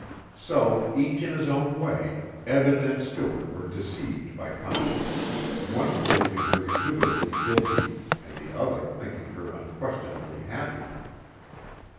So each in his own way, Eben and Stuart were deceived by Conscience, one believing her indubitably guilty and the other thinking her unquestionably happy.